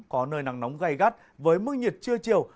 có nơi nắng nóng gây gắt với mức nhiệt chưa chiều